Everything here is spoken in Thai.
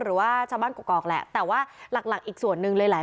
หรือว่าชาวบ้านกรอกกรอกแหละแต่ว่าหลักอีกส่วนนึงหลาย